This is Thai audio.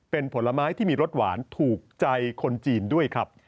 เป็นผลไม้ที่มีรสหวานถูกใจคนจีนด้วยครับ